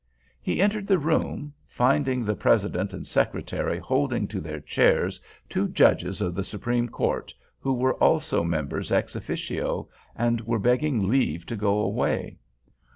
He entered the room—finding the president and secretary holding to their chairs two judges of the Supreme Court, who were also members ex officio, and were begging leave to go away.